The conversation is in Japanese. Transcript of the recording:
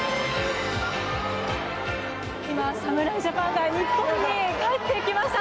今、侍ジャパンが日本に帰ってきました。